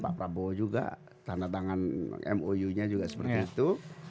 pak prabowo juga tanda tangan mou nya juga seperti itu